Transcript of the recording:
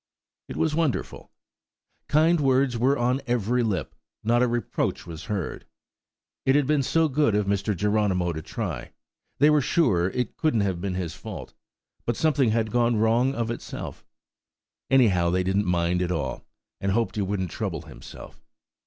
It was wonderful! Kind words were on every lip; not a reproach was heard.–It had been so good of Mr. Geronimo to try.–They were sure it couldn't have been his fault, but something had gone wrong of itself.–Anyhow, they didn't mind at all, and hoped he wouldn't trouble himself.